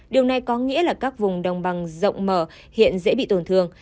điều này có nghĩa là các vùng đồng bằng rộng mở hiện dễ bị tổn thương